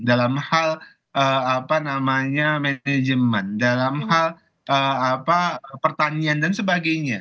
dalam hal apa namanya manajemen dalam hal pertanian dan sebagainya